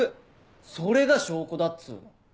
それが証拠だっつうの。